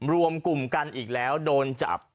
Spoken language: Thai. รวมกลุ่มกันอีกแล้วโดนจับ